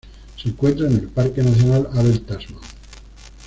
Se encuentra en el Parque nacional Abel Tasman.